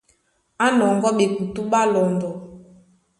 Á nɔŋgɔ́ ɓekutú ɓá lɔndɔ.